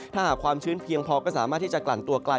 ถ้าหากความชื้นเพียงพอก็สามารถที่จะกลั่นตัวกลาย